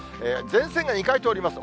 前線が２回通ります。